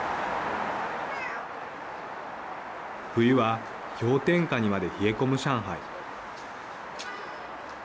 冬は氷点下にまで冷え込む上海。